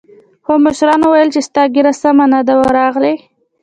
خو مشرانو ويل چې ستا ږيره سمه نه ده راغلې.